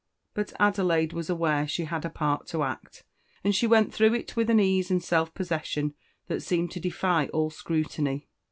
But Adelaide was aware she had a part to act, and she went through it with an ease and self possession that seemed to defy all scrutiny.